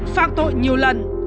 phạt tội nhiều lần